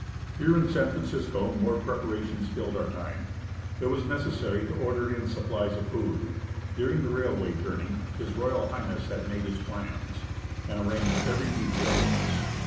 Here in San Francisco more preparations filled our time. It was necessary to order in supplies of food. During the railway I FROM TURIN TO SEATTLE journey, H.R. H. had made his plans, and arranged every detail with us.